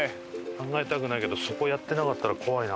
考えたくないけどそこやってなかったら怖いな。